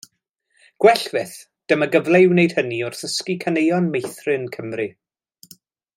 Gwell fyth, dyma gyfle i wneud hynny wrth ddysgu caneuon meithrin Cymru.